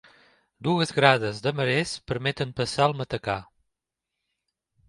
Dues grades de marès permeten passar el matacà.